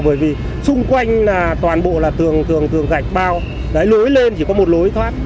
bởi vì xung quanh toàn bộ là tường gạch bao lối lên chỉ có một lối thoát